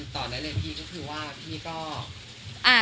ตอนแรกเลยพี่ก็คือว่า